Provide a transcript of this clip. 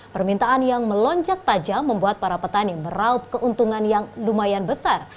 permintaan yang melonjak tajam membuat para petani meraup keuntungan yang lumayan besar